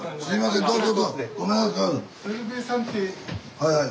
はいはい。